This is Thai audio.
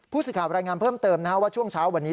ผู้สิข่าวรายงานเพิ่มเติมนะครับว่าช่วงเช้าวันนี้